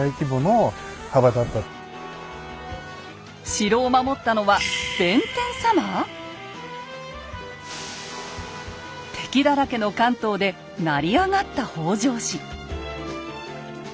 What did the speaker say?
城を守ったのは敵だらけの関東で成り上がった北条氏。